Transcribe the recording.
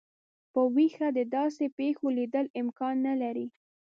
په ویښه د داسي پیښو لیدل امکان نه لري.